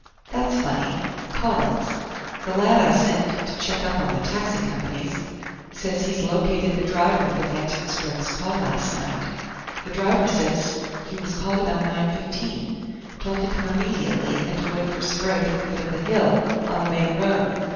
"That's funny.... Collins the lad I sent to check up on the taxi companies says he's located the driver that answered Sprague's call last night. The driver says he was called about 9:15, told to come immediately, and to wait for Sprague at the foot of the hill, on the main road.